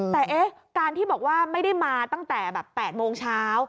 แต่การที่บอกว่าไม่ได้มาตั้งแต่แบบ๘โมงเช้า